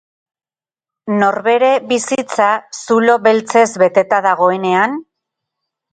Norbere bizitza zulo beltzez beteta dagoenean?